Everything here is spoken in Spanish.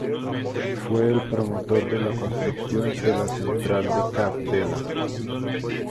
Fue el promotor de la construcción de la central de Cabdella.